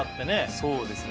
そうですね